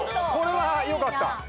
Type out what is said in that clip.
これはよかった。